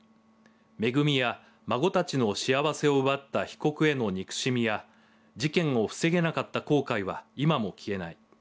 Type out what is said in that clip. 恵や孫たちの幸せを奪った被告への憎しみや事件を防げなかった後悔は今も消えない。